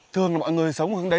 thường là mọi người sống ở hướng tây